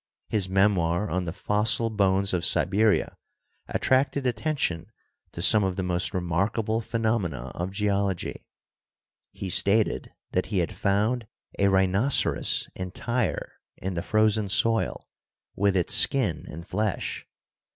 His memoir on the fossil bones of Siberia attracted attention to some of the most remarkable phe nomena of Geology. He stated that he had found a rhinoceros entire in the frozen soil, with its skin and flesh.